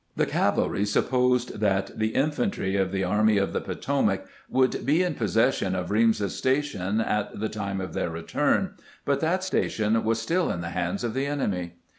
The cavalry supposed that the infantry of the Army of the Potomac would be in possession of Reams's Station at the time of their return, but that station was still in the hands of the enemy.